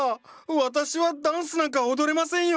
私はダンスなんか踊れませんよ！